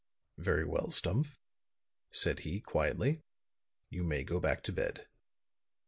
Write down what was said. "Very well, Stumph," said he, quietly. "You may go back to bed."